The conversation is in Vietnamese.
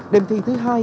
đêm thi thứ hai